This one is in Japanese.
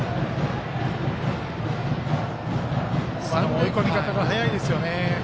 追い込み方が早いですよね。